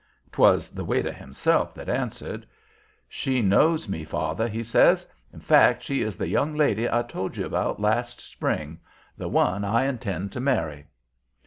'Twas the waiter himself that answered. "She knows me, father," he says. "In fact she is the young lady I told you about last spring; the one I intend to marry."